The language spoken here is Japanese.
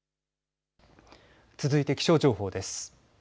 続いて気象情報です。